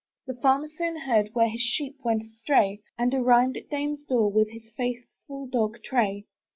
The Farmer soon heard Where his sheep went astray, And arrived at Dame's door With his faithful dog Tray.